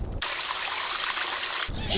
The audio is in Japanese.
え？